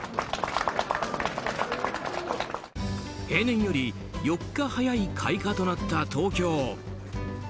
平年より４日早い開花となった東京。